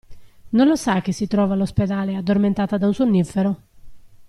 Non lo sa che si trova all'ospedale, addormentata da un sonnifero?